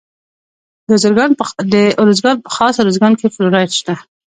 د ارزګان په خاص ارزګان کې فلورایټ شته.